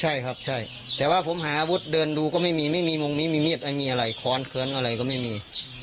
ใช่ครับใช่แต่ว่าผมหาอาวุธเดินดูก็ไม่มีไม่มีมงมิธคอนเขินอะไรก็ไม่มี